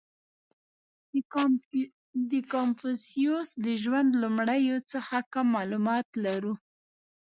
• د کنفوسیوس د ژوند لومړیو څخه کم معلومات لرو.